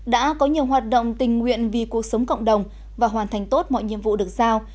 đã có nhiều hoạt động tình nguyện vì cuộc sống cộng đồng và hoàn thành tốt mọi nhiệm vụ được giao